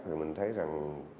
thì mình thấy rằng